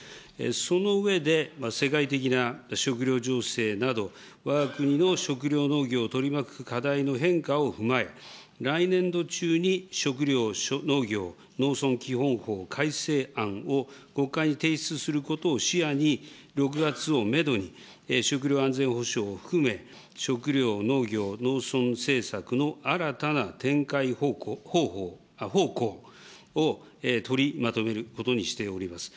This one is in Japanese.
その上で、世界的な食料情勢など、わが国の食料、農業を取り巻く課題の変化を踏まえ、来年度中に食料・農業・農村基本法の改正案を国会に提出することを視野に、６月をメドに、食料安全保障を含め、食料・農業・農村政策の新たな展開方向を取りまとめることにしております。